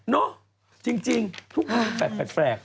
เนอะจริงทุกอย่างแปลกแปลก